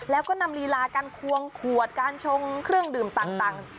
แล้วก็นำลีลาการควงขวดการชงเครื่องดื่มต่าง